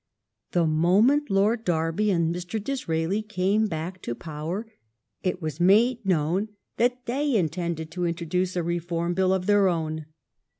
The moment Lord Derby and Mr. Disraeli came back to power, it was made known that they intended to introduce a Reform Bill of their own.